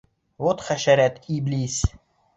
Вәт хәшәрәт, иблис!